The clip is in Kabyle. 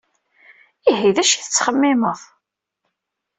Ihi, d acu i tettxemmimeḍ?